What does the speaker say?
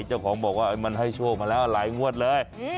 เจ้าของบอกว่ามันให้โชคมาแล้วหลายงวดเลย